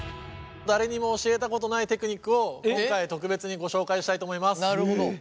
誰にも教えたことないテクニックを今回特別にご紹介したいと思います。